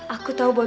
aku tau boy